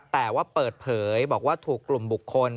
แต่ว่าเปิดเผยบอกว่าถูกกลุ่มบุคคล